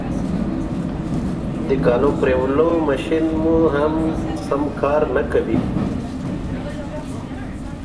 The station consists of two elevated side platforms.